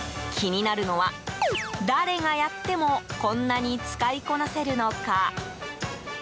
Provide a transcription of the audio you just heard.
でも、気になるのは誰がやってもこんなに使いこなせるのか。